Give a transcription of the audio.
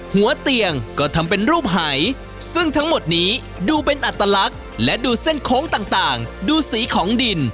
หัวเตียงก็ทำเป็นรูปหายซึ่งทั้งหมดนี้ดูเป็นอัตลักษณ์และดูเส้นโค้งต่างดูสีของดิน